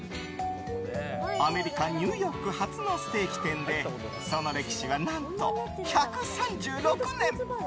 アメリカ・ニューヨーク発のステーキ店でその歴史は何と１３６年。